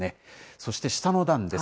そして下の段です。